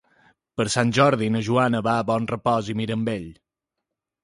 Per Sant Jordi na Joana va a Bonrepòs i Mirambell.